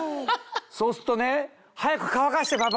そうするとね「早く乾かしてパパ！」